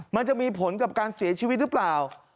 มันจะมีผลกับการเสียชีวิตหรือเปล่า